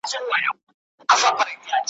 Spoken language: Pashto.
د نیلي د وجود ویني ایشېدلې `